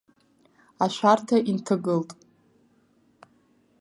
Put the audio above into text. Ашәарҭа инҭагылт.